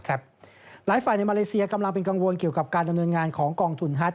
หลายฝ่ายในมาเลเซียกำลังเป็นกังวลเกี่ยวกับการดำเนินงานของกองทุนฮัต